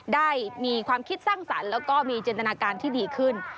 ได้มีความคิดสร้างสรรค์แล้วก็มีจินตนาการที่ดีขึ้น